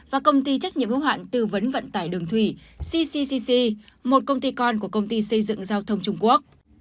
và công ty trách nhiệm hữu hạn tư vấn vận tải đường thủy ccccc một công ty con của công ty xây dựng giao thông trung quốc